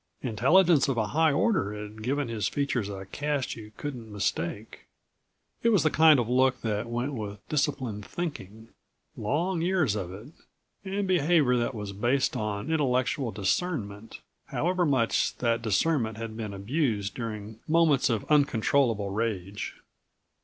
Intelligence of a high order had given his features a cast you couldn't mistake. It was the kind of look that went with disciplined thinking long years of it and behavior that was based on intellectual discernment, however much that discernment had been abused during moments of uncontrollable rage.